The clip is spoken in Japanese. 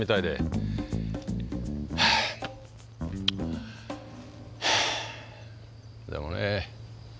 でもね